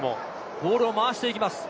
ボールを回していきます。